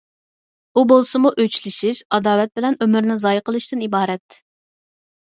ئۇ بولسىمۇ ئۆچلىشىش، ئاداۋەت بىلەن ئۆمرىنى زايە قىلىشتىن ئىبارەت.